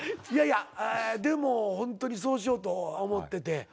いやいやでもホントにそうしようと思ってて。